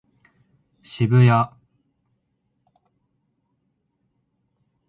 渋谷